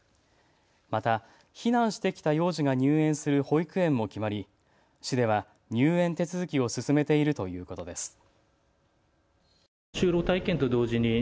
また避難してきた幼児が入園する保育園も決まり市では入園手続きを進めているということです。